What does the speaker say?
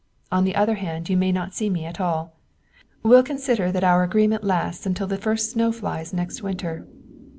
On the other hand, you may not see me at all. We'll consider that our agreement lasts until the first snow flies next winter.